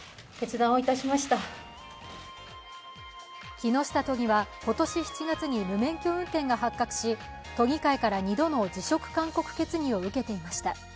木下都議は今年７月に無免許運転が発覚し都議会から２度の辞職勧告決議を受けていました。